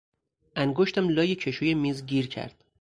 انگشتم لای کشو میز گیر کرد.